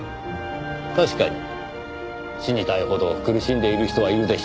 確かに死にたいほど苦しんでいる人はいるでしょう。